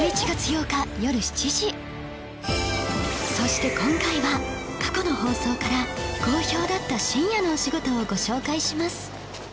そして今回は過去の放送から好評だった深夜のお仕事をご紹介します